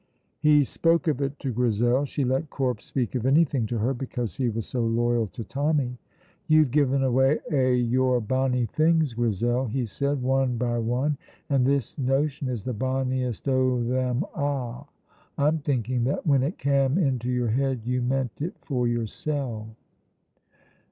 He spoke of it to Grizel. She let Corp speak of anything to her because he was so loyal to Tommy. "You've given away a' your bonny things, Grizel," he said, "one by one, and this notion is the bonniest o' them a'. I'm thinking that when it cam' into your head you meant it for yoursel'."